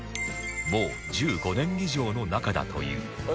もう１５年以上の仲だという